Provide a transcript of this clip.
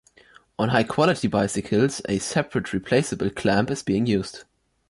On high-quality bicycles a separate replaceable clamp is being used.